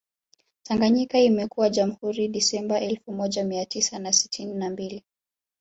Tanganyika imekuwa Jamhuri Disemba elfu moja Mia tisa na sitini na mbili